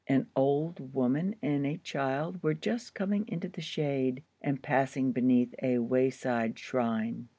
An old woman and a child were just coming into the shade, and passing beneath a wayside shrine.